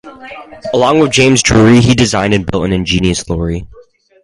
Along with James Drewry he designed and built an ingenious lorry.